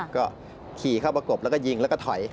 ก็ขี่เข้าประกบแล้วก็ยิงแล้วก็ถอย